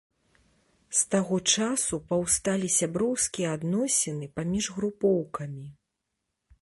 З таго часу паўсталі сяброўскія адносіны паміж групоўкамі.